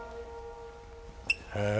へえ。